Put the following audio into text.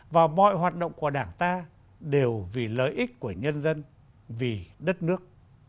và mọi hoạt động của đảng ta đều vì lợi ích của nhân dân vì đất nước